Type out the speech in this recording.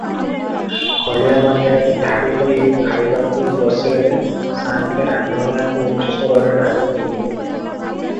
ହଳିଆମାନେ ଧାଡ଼ିହୋଇ ଖାଇବାକୁ ବସିଗଲେ ସାଆନ୍ତେ ରାନ୍ଧୁଣିଆକୁ ଉଚ୍ଚସ୍ୱରରେ ଡାକ ଦିଅନ୍ତି